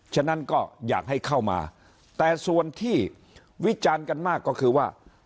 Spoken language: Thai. ฉะนั้นก็อยากให้เข้ามาแต่ส่วนที่วิจารณ์กันมากก็คือว่า